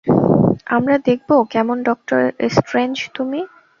আমরা দেখব কেমন ডক্টর স্ট্রেঞ্জ তুমি।